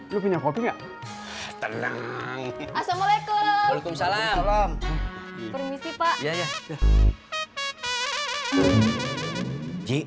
lo punya kopi enggak tenang assalamualaikum waalaikumsalam permisi pak